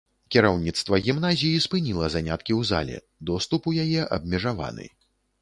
Кіраўніцтва гімназіі спыніла заняткі ў зале, доступ у яе абмежаваны.